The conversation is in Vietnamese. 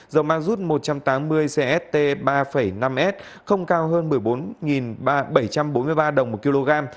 dầu mazut một trăm tám mươi cst ba năm s không cao hơn một mươi bốn bảy trăm bốn mươi ba đồng một kg